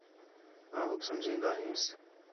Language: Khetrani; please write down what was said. آں ہوک سمجھین٘دا ہنس